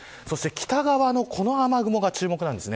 北側のこの雨雲が注目です。